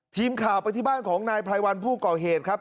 ทีมข่าวไปที่บ้านของนายไพรวันผู้ก่อเหตุครับ